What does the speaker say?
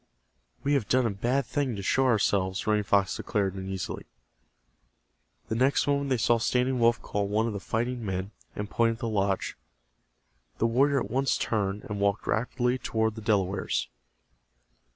"We have done a bad thing to show ourselves," Running Fox declared, uneasily. The next moment they saw Standing Wolf call one of the fighting men, and point at the lodge. The warrior at once turned and walked rapidly toward the Delawares.